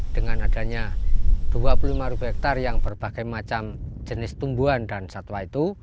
dengan adanya dua puluh lima ribu hektare yang berbagai macam jenis tumbuhan dan satwa itu